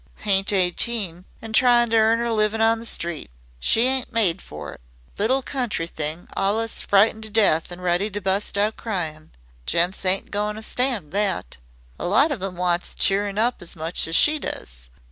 "Ain't eighteen, an' tryin' to earn 'er livin' on the street. She ain't made for it. Little country thing, allus frightened to death an' ready to bust out cryin'. Gents ain't goin' to stand that. A lot of 'em wants cheerin' up as much as she does.